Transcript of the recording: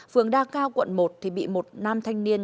phường đa cao quận một thì bị một nam thanh niên